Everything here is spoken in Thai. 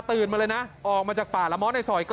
ตื่นมาเลยนะออกมาจากป่าแล้วม้อนในสอย